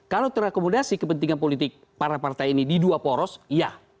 kalau terakomodasi kepentingan politik para partai ini di dua poros ya